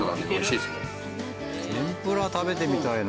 天ぷら食べてみたいな。